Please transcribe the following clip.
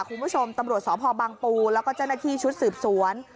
คุณผู้ชมตำรวจสพบังปูแล้วก็เจ้าหน้าที่ชุดสืบสวน